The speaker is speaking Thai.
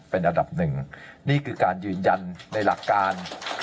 เป็นอันดับหนึ่งนี่คือการยืนยันในหลักการ